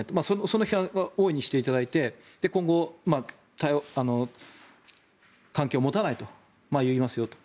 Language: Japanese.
その批判は多いにしていただいて今後、関係を持たないと言いますよと。